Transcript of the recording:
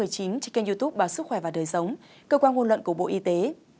trên youtube báo sức khỏe và đời sống cơ quan ngôn luận của bộ y tế